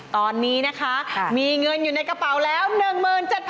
ตอนนี้นะคะมีเงินอยู่ในกระเป๋าแล้ว